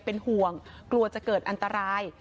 เป็นห่วงกลัวจะเกิดอันตราย